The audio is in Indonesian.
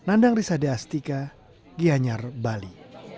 adiastika gianyar bali